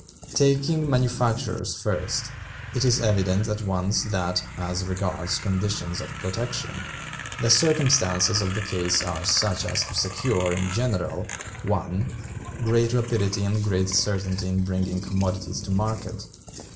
"Taking manufactures first, it is evident at once that, as regards conditions of protection, the circumstances of the case are such as to secure, in general, (1.) great rapidity and great certainty in bringing commodities to market.